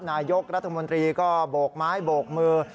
นายกรัฐมนตรีก็โบกไม้โบกมือ